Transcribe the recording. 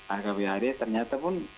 akpad ternyata pun